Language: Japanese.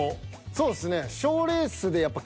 そうっすね。